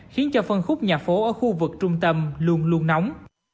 khiến cho phân khúc nhà phố ở khu vực trung tâm luôn luôn nóng